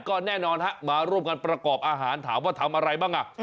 ก็แน่นอนฮะมาร่วมกันประกอบอาหารถามว่าทำอะไรบ้างอ่ะ